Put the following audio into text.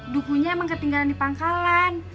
dukunya emang ketinggalan di pangkalan